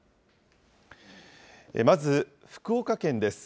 まず、福岡県です。